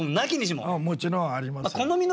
もちろんありますよ。